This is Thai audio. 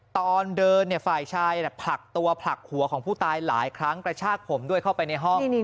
ตอนเดินฝ่ายชายผลักตัวผลักหัวของผู้ตายหลายครั้งกระชากผมด้วยเข้าไปในห้อง